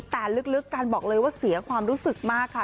แต่ลึกกันบอกเลยว่าเสียความรู้สึกมากค่ะ